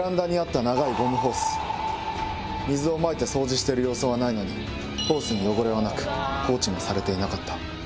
水をまいて掃除してる様子はないのにホースに汚れはなく放置もされていなかった。